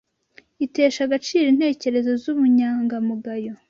itesha agaciro intekerezo z’ubunyangamugayo